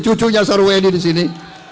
cucunya saruwedi di sini